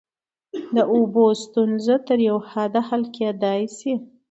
د اوبو ستونزه تر یوه حده حل کیدای شي.